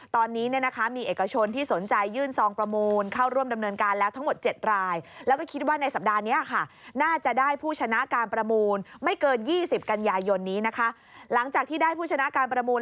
ตอนนี้มีเอกชนที่สนใจยื่นซองประมูลเข้าร่วมดำเนินการและทั้งหมด๗ราย